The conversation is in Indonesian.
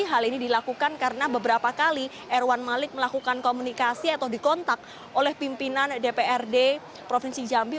hal ini dilakukan karena beberapa kali erwan malik melakukan komunikasi atau dikontak oleh pimpinan dprd provinsi jambi